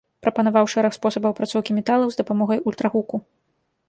Прапанаваў шэраг спосабаў апрацоўкі металаў з дапамогай ультрагуку.